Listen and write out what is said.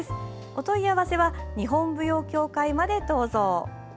お問い合わせは日本舞踊協会までどうぞ。